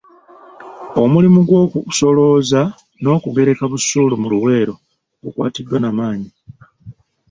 Omulimu gw’okusolooza n’okugereka busuulu mu Luweero gukwatiddwa na maanyi.